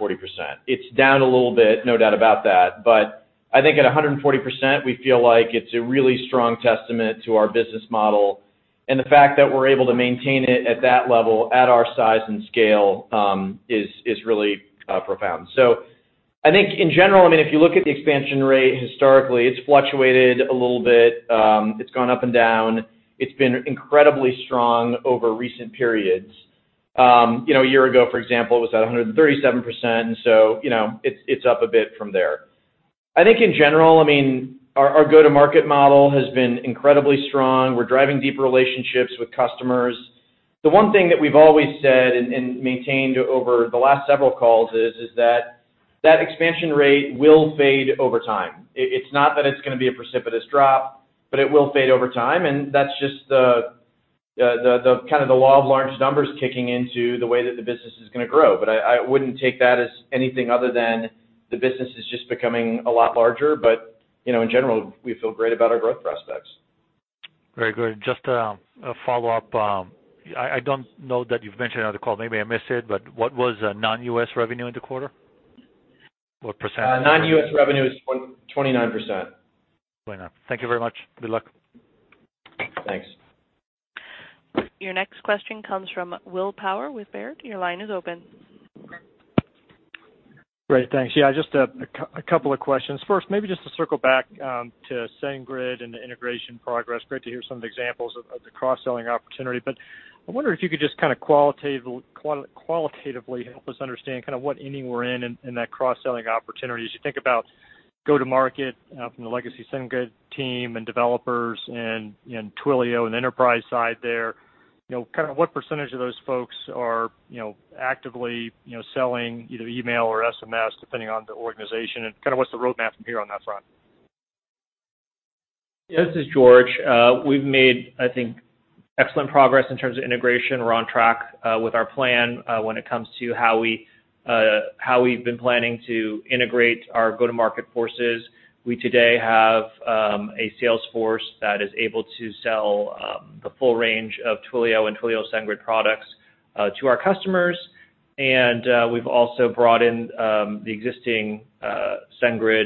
It's down a little bit, no doubt about that. I think at 140%, we feel like it's a really strong testament to our business model. The fact that we're able to maintain it at that level at our size and scale, is really profound. I think in general, if you look at the expansion rate historically, it's fluctuated a little bit. It's gone up and down. It's been incredibly strong over recent periods. A year ago, for example, it was at 137%, it's up a bit from there. I think in general, our go-to-market model has been incredibly strong. We're driving deeper relationships with customers. The one thing that we've always said and maintained over the last several calls is that expansion rate will fade over time. It's not that it's going to be a precipitous drop, but it will fade over time. That's just the law of large numbers kicking into the way that the business is going to grow. I wouldn't take that as anything other than the business is just becoming a lot larger. In general, we feel great about our growth prospects. Very good. Just a follow-up. I don't know that you've mentioned on the call, maybe I missed it, but what was non-U.S. revenue in the quarter? What percent? Non-U.S. revenue is 29%. Thank you very much. Good luck. Thanks. Your next question comes from Will Power with Baird. Your line is open. Great. Thanks. Yeah, just a couple of questions. First, maybe just to circle back to SendGrid and the integration progress. Great to hear some of the examples of the cross-selling opportunity. I wonder if you could just qualitatively help us understand what inning we're in that cross-selling opportunity. As you think about go-to-market from the legacy SendGrid team and developers and Twilio and the enterprise side there, what percentage of those folks are actively selling either email or SMS, depending on the organization? What's the roadmap from here on that front? This is George. We've made, I think, excellent progress in terms of integration. We're on track with our plan when it comes to how we've been planning to integrate our go-to-market forces. We today have a sales force that is able to sell the full range of Twilio and Twilio SendGrid products to our customers. We've also brought in the existing SendGrid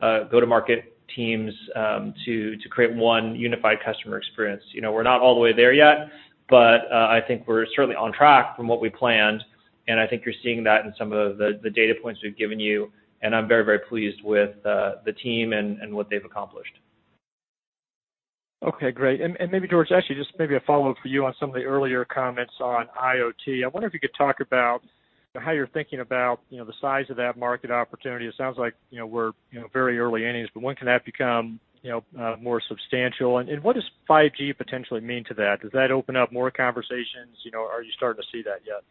go-to-market teams to create one unified customer experience. We're not all the way there yet, but I think we're certainly on track from what we planned, and I think you're seeing that in some of the data points we've given you, and I'm very pleased with the team and what they've accomplished. Okay, great. Maybe George, actually, just maybe a follow-up for you on some of the earlier comments on IoT. I wonder if you could talk about how you're thinking about the size of that market opportunity. It sounds like we're very early innings, but when can that become more substantial, and what does 5G potentially mean to that? Does that open up more conversations? Are you starting to see that yet?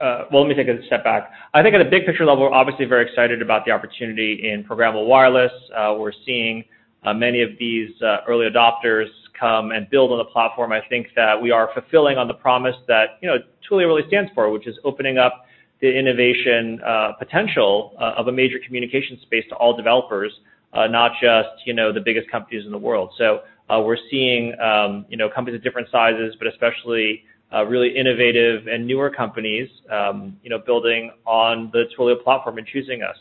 Well, let me take a step back. I think at a big picture level, we're obviously very excited about the opportunity in programmable wireless. We're seeing many of these early adopters come and build on the platform. I think that we are fulfilling on the promise that Twilio really stands for, which is opening up the innovation potential of a major communication space to all developers, not just the biggest companies in the world. We're seeing companies of different sizes, but especially really innovative and newer companies building on the Twilio platform and choosing us.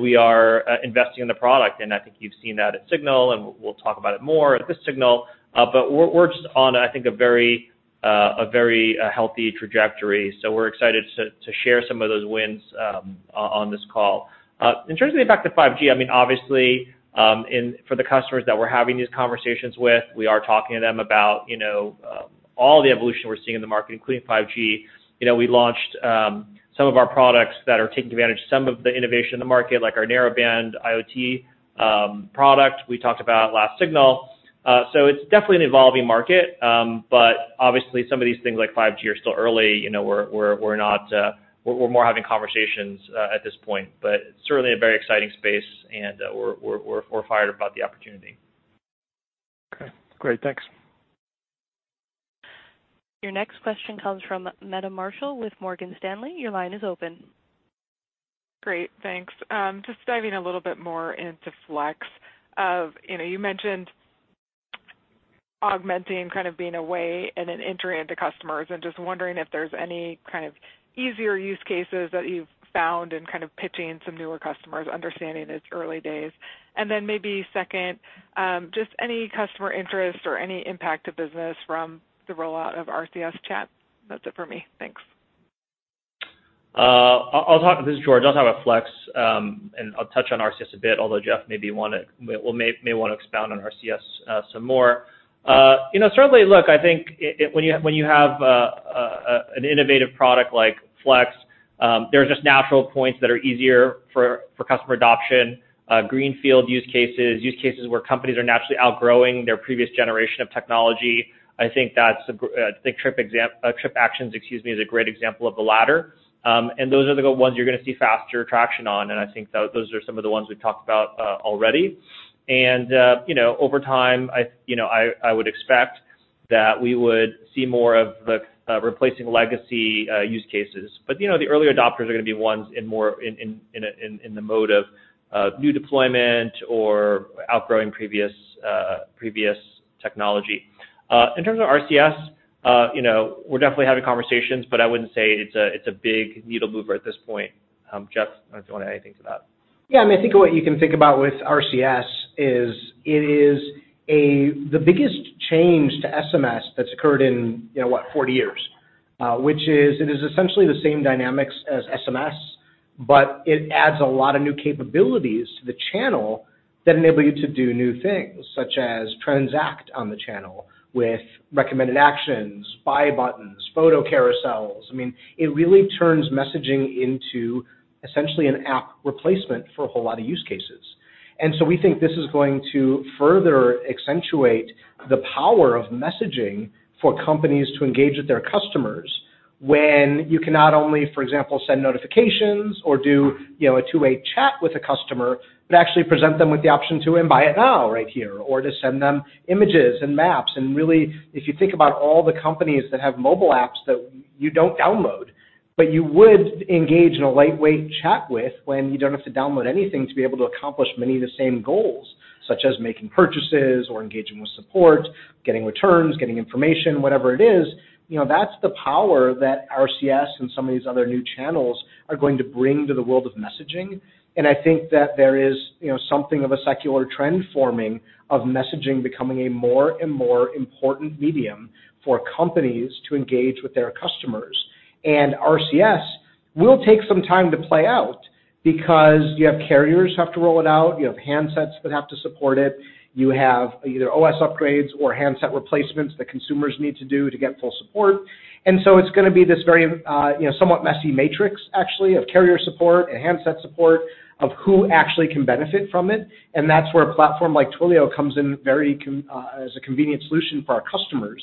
We are investing in the product, and I think you've seen that at SIGNAL, and we'll talk about it more at this SIGNAL. We're just on, I think, a very healthy trajectory. We're excited to share some of those wins on this call. In terms of the impact of 5G, obviously, for the customers that we're having these conversations with, we are talking to them about all the evolution we're seeing in the market, including 5G. We launched some of our products that are taking advantage of some of the innovation in the market, like our narrowband IoT product we talked about last SIGNAL. It's definitely an evolving market. Obviously some of these things like 5G are still early. We're more having conversations at this point, but certainly a very exciting space, and we're fired about the opportunity. Okay, great. Thanks. Your next question comes from Meta Marshall with Morgan Stanley. Your line is open. Great, thanks. Just diving a little bit more into Flex. You mentioned augmenting kind of being a way in an entry into customers, just wondering if there's any kind of easier use cases that you've found in kind of pitching some newer customers, understanding it's early days. Then maybe second, just any customer interest or any impact to business from the rollout of RCS chat? That's it for me, thanks. This is George. I'll talk about Flex, and I'll touch on RCS a bit, although Jeff may want to expound on RCS some more. Certainly, look, I think when you have an innovative product like Flex, there are just natural points that are easier for customer adoption, greenfield use cases, use cases where companies are naturally outgrowing their previous generation of technology. I think TripActions is a great example of the latter. Those are the ones you're going to see faster traction on, and I think those are some of the ones we've talked about already. Over time, I would expect that we would see more of the replacing legacy use cases. The early adopters are going to be ones in the mode of new deployment or outgrowing previous technology. In terms of RCS, we're definitely having conversations, but I wouldn't say it's a big needle mover at this point. Jeff, if you want to add anything to that. Yeah, I think what you can think about with RCS is it is the biggest change to SMS that's occurred in what, 40 years. It is essentially the same dynamics as SMS, but it adds a lot of new capabilities to the channel that enable you to do new things, such as transact on the channel with recommended actions, buy buttons, photo carousels. It really turns messaging into essentially an app replacement for a whole lot of use cases. We think this is going to further accentuate the power of messaging for companies to engage with their customers when you can not only, for example, send notifications or do a two-way chat with a customer, but actually present them with the option to buy it now, right here, or to send them images and maps. Really, if you think about all the companies that have mobile apps that you don't download, but you would engage in a lightweight chat with when you don't have to download anything to be able to accomplish many of the same goals, such as making purchases or engaging with support, getting returns, getting information, whatever it is, that's the power that RCS and some of these other new channels are going to bring to the world of messaging. I think that there is something of a secular trend forming of messaging becoming a more and more important medium for companies to engage with their customers. RCS will take some time to play out because you have carriers have to roll it out, you have handsets that have to support it, you have either OS upgrades or handset replacements that consumers need to do to get full support. It's going to be this very somewhat messy matrix, actually, of carrier support and handset support of who actually can benefit from it. That's where a platform like Twilio comes in as a convenient solution for our customers,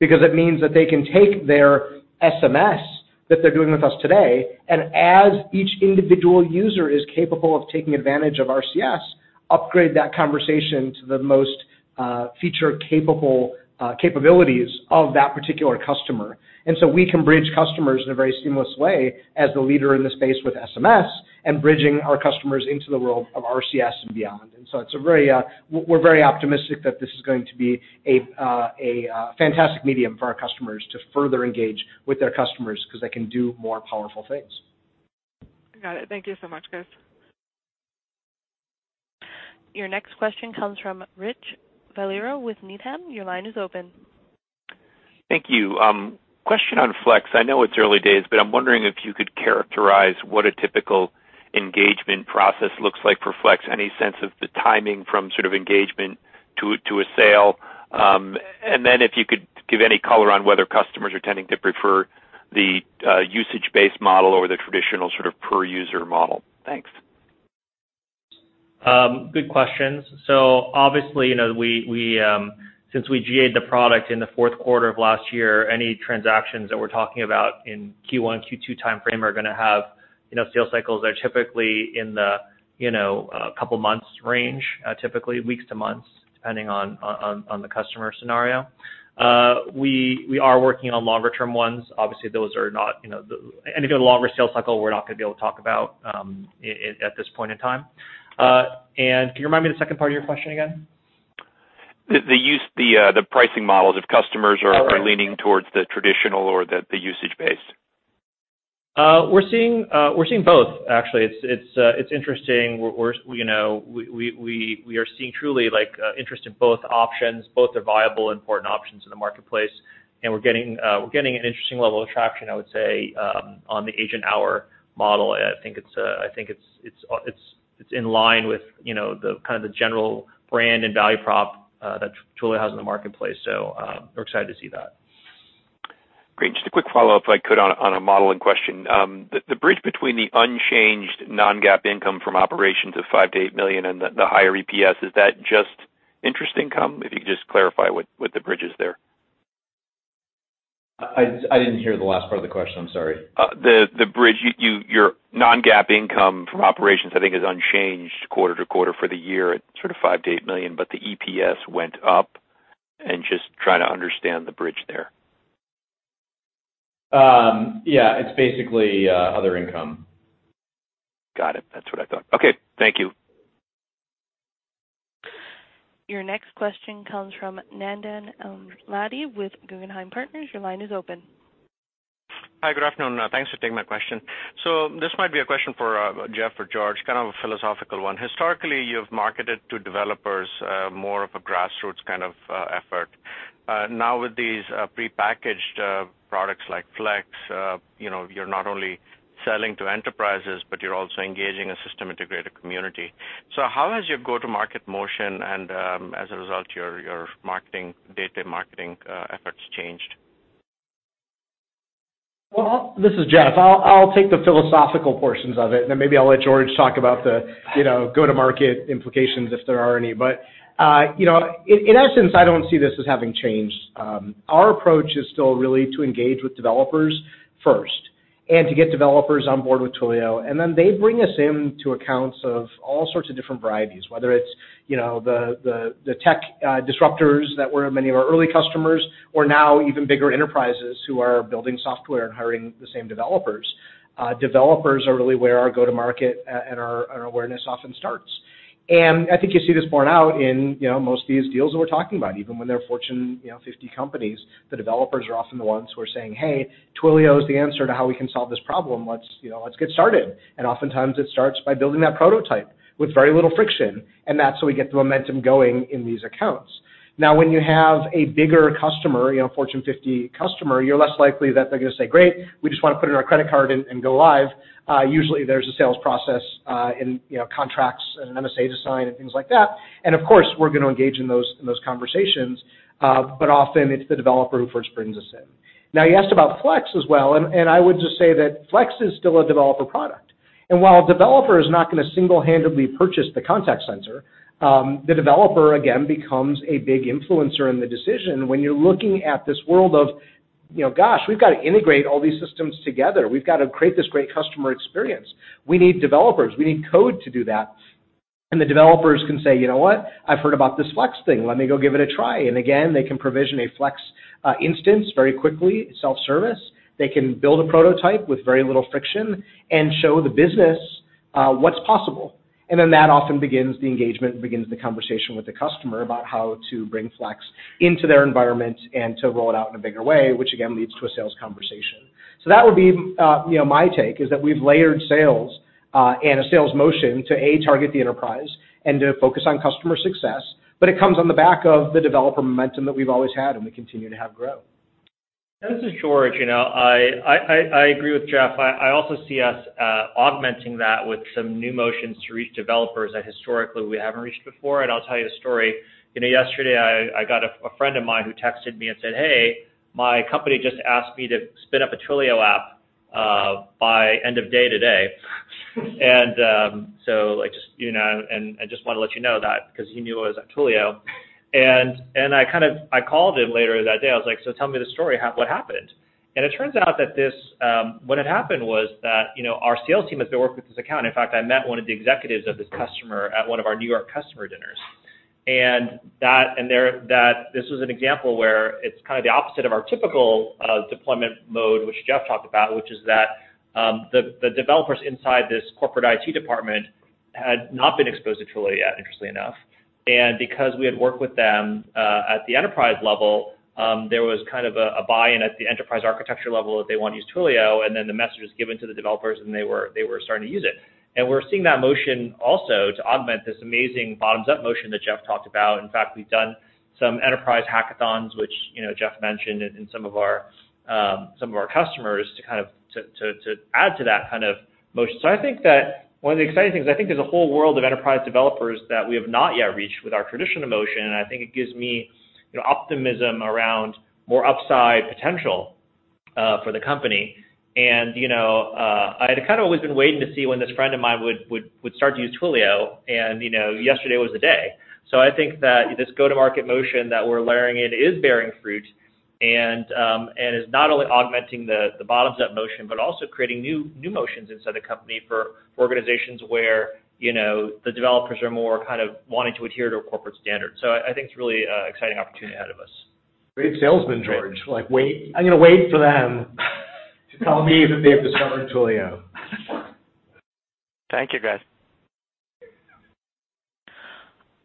because it means that they can take their SMS that they're doing with us today, and as each individual user is capable of taking advantage of RCS, upgrade that conversation to the most feature capabilities of that particular customer. We can bridge customers in a very seamless way as the leader in the space with SMS and bridging our customers into the world of RCS and beyond. We're very optimistic that this is going to be a fantastic medium for our customers to further engage with their customers because they can do more powerful things. Got it. Thank you so much, guys. Your next question comes from Rich Valera with Needham. Your line is open. Thank you. Question on Flex. I know it's early days, but I'm wondering if you could characterize what a typical engagement process looks like for Flex. Any sense of the timing from sort of engagement to a sale? If you could give any color on whether customers are tending to prefer the usage-based model or the traditional sort of per-user model. Thanks. Good questions. Obviously, since we GA-ed the product in the fourth quarter of last year, any transactions that we're talking about in Q1, Q2 timeframe are going to have sale cycles that are typically in the couple months range, typically weeks to months, depending on the customer scenario. We are working on longer term ones. Obviously, those are not. Any of the longer sales cycle, we're not going to be able to talk about at this point in time. Can you remind me the second part of your question again? The pricing models, if customers are- Oh, right. -leaning towards the traditional or the usage-based. We're seeing both, actually. It's interesting. We are seeing truly interest in both options. Both are viable, important options in the marketplace, and we're getting an interesting level of traction, I would say, on the agent hour model. I think it's in line with the general brand and value prop that Twilio has in the marketplace. We're excited to see that. Great. Just a quick follow-up, if I could, on a modeling question. The bridge between the unchanged non-GAAP income from operations of $5 million-$8 million and the higher EPS, is that just interest income? If you could just clarify what the bridge is there. I didn't hear the last part of the question. I'm sorry. The bridge, your non-GAAP income from operations, I think is unchanged quarter to quarter for the year at sort of $5 million-$8 million, but the EPS went up and just trying to understand the bridge there. Yeah. It's basically other income. Got it. That's what I thought. Okay, thank you. Your next question comes from Nandan Amladi with Guggenheim Partners. Your line is open. Hi, good afternoon. Thanks for taking my question. This might be a question for Jeff or George, kind of a philosophical one. Historically, you've marketed to developers, more of a grassroots kind of effort. Now with these prepackaged products like Flex, you're not only selling to enterprises, but you're also engaging a system integrator community. How has your go-to-market motion and, as a result, your data marketing efforts changed? This is Jeff. I'll take the philosophical portions of it, and then maybe I'll let George talk about the go-to-market implications, if there are any. In essence, I don't see this as having changed. Our approach is still really to engage with developers first and to get developers on board with Twilio, then they bring us into accounts of all sorts of different varieties, whether it's the tech disruptors that were many of our early customers or now even bigger enterprises who are building software and hiring the same developers. Developers are really where our go-to-market and our awareness often starts. I think you see this borne out in most of these deals that we're talking about, even when they're Fortune 50 companies, the developers are often the ones who are saying, "Hey, Twilio is the answer to how we can solve this problem. Let's get started." Oftentimes it starts by building that prototype with very little friction, and that's how we get the momentum going in these accounts. Now, when you have a bigger customer, a Fortune 50 customer, you're less likely that they're going to say, "Great, we just want to put in our credit card and go live." Usually there's a sales process and contracts and an MSA to sign and things like that. Of course, we're going to engage in those conversations. Often it's the developer who first brings us in. Now, you asked about Flex as well, and I would just say that Flex is still a developer product. While a developer is not going to single-handedly purchase the contact center, the developer, again, becomes a big influencer in the decision when you're looking at this world of, "Gosh, we've got to integrate all these systems together. We've got to create this great customer experience." We need developers. We need code to do that. The developers can say, "You know what? I've heard about this Flex thing. Let me go give it a try." Again, they can provision a Flex instance very quickly, self-service. They can build a prototype with very little friction and show the business what's possible. That often begins the engagement and begins the conversation with the customer about how to bring Flex into their environment and to roll it out in a bigger way, which again, leads to a sales conversation. That would be my take, is that we've layered sales and a sales motion to, A, target the enterprise and to focus on customer success, but it comes on the back of the developer momentum that we've always had and we continue to have grow. This is George. I agree with Jeff. I also see us augmenting that with some new motions to reach developers that historically we haven't reached before. I'll tell you a story. Yesterday, I got a friend of mine who texted me and said, "Hey, my company just asked me to spin up a Twilio app by end of day today." I just want to let you know that," because he knew I was at Twilio, and I called him later that day. I was like, "So tell me the story, what happened?" It turns out that what had happened was that our sales team has been working with this account. In fact, I met one of the executives of this customer at one of our New York customer dinners. This was an example where it's kind of the opposite of our typical deployment mode, which Jeff talked about, which is that the developers inside this corporate IT department had not been exposed to Twilio yet, interestingly enough. Because we had worked with them at the enterprise level, there was kind of a buy-in at the enterprise architecture level that they want to use Twilio, then the message was given to the developers, and they were starting to use it. We're seeing that motion also to augment this amazing bottoms-up motion that Jeff talked about. In fact, we've done some enterprise hackathons, which Jeff mentioned in some of our customers to add to that kind of motion. I think that one of the exciting things, I think there's a whole world of enterprise developers that we have not yet reached with our traditional motion, and I think it gives me optimism around more upside potential for the company. I'd kind of always been waiting to see when this friend of mine would start to use Twilio, and yesterday was the day. I think that this go-to-market motion that we're layering in is bearing fruit, and is not only augmenting the bottoms-up motion, but also creating new motions inside the company for organizations where the developers are more wanting to adhere to a corporate standard. I think it's a really exciting opportunity ahead of us. Great salesman, George. I'm going to wait for them to tell me that they have discovered Twilio. Thank you, guys.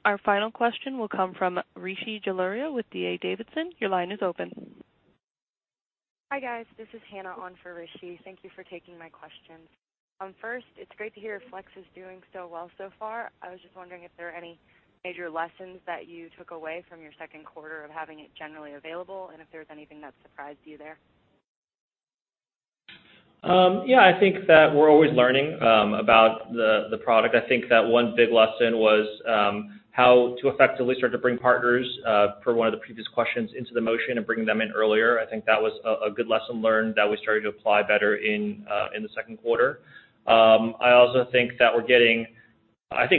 Our final question will come from Rishi Jaluria with D.A. Davidson. Your line is open. Hi, guys. This is Hannah on for Rishi. Thank you for taking my questions. First, it's great to hear Flex is doing so well so far. I was just wondering if there are any major lessons that you took away from your second quarter of having it generally available, and if there's anything that surprised you there. Yeah, I think that we're always learning about the product. I think that one big lesson was how to effectively start to bring partners, per one of the previous questions, into the motion and bring them in earlier. I think that was a good lesson learned that we started to apply better in the second quarter. I also think that we're getting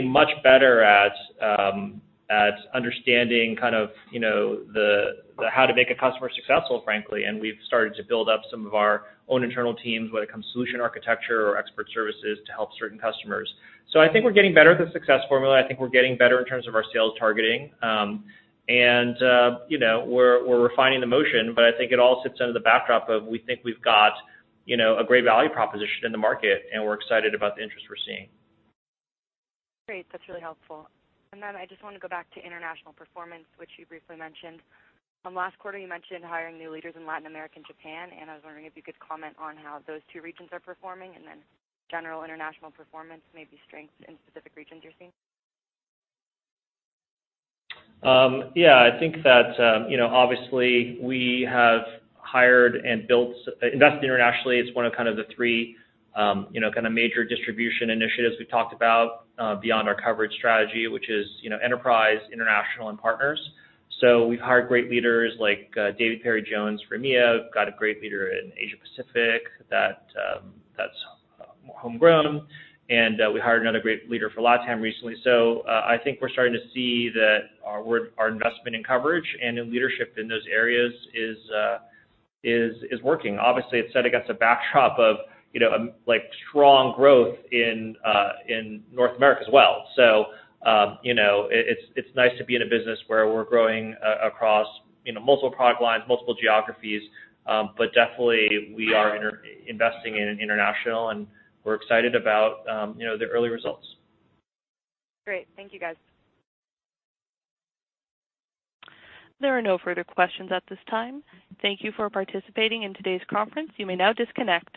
much better at understanding how to make a customer successful, frankly, and we've started to build up some of our own internal teams, whether it comes to solution architecture or expert services to help certain customers. I think we're getting better at the success formula. I think we're getting better in terms of our sales targeting. We're refining the motion, but I think it all sits under the backdrop of, we think we've got a great value proposition in the market, and we're excited about the interest we're seeing. Great. That's really helpful. I just want to go back to international performance, which you briefly mentioned. Last quarter, you mentioned hiring new leaders in Latin America and Japan. I was wondering if you could comment on how those two regions are performing, general international performance, maybe strengths in specific regions you're seeing. I think that, obviously, investing internationally is one of the three major distribution initiatives we've talked about beyond our coverage strategy, which is enterprise, international, and partners. We've hired great leaders like David Parry-Jones for EMEA, got a great leader in Asia Pacific that's more homegrown, and we hired another great leader for LatAm recently. I think we're starting to see that our investment in coverage and in leadership in those areas is working. Obviously, it's set against a backdrop of strong growth in North America as well. It's nice to be in a business where we're growing across multiple product lines, multiple geographies. Definitely we are investing in international, and we're excited about the early results. Great. Thank you, guys. There are no further questions at this time. Thank you for participating in today's conference. You may now disconnect.